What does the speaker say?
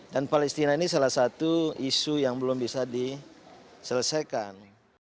dan palestina ini salah satu isu yang belum bisa diselesaikan